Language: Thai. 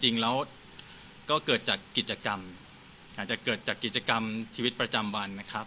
จริงแล้วก็เกิดจากกิจกรรมอาจจะเกิดจากกิจกรรมชีวิตประจำวันนะครับ